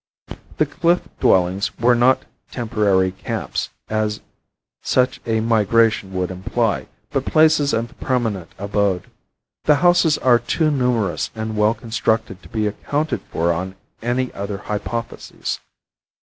The cliff dwellings were not temporary camps, as such a migration would imply, but places of permanent abode. The houses are too numerous and well constructed to be accounted for on any other hypothesis.